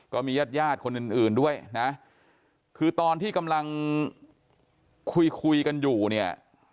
ก็มีญาติญาติคนอื่นด้วยนะคือตอนที่กำลังคุยคุยกันอยู่เนี่ย